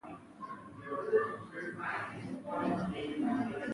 زمرد د افغانستان د طبیعي زیرمو برخه ده.